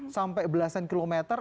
sampai belasan kilometer